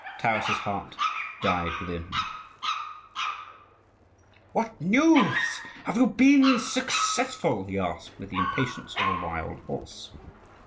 Taras's heart died within him. "What news? have you been successful?" he asked with the impatience of a wild horse.